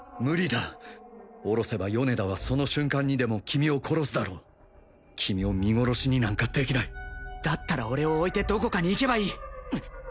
無理だ下ろせば米田はその瞬間にでも君を殺すだろう君を見殺しになんかできないだったら俺を置いてどこかに行けばいい